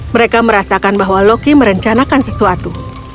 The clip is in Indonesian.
mereka merasakan bahwa loki merencanakan sesuatu